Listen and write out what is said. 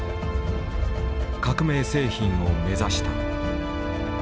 革命製品を目指した。